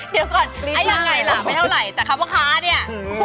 เดี๋ยวก่อนยังไงล่ะไม่เท่าไหร่แต่คำว่าค้าเนี่ย